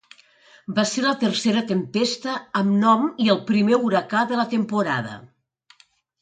Va ser la tercera tempesta amb nom i el primer huracà de la temporada.